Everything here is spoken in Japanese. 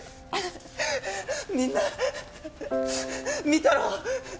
みんな見たろ？